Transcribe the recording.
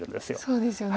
そうですよね。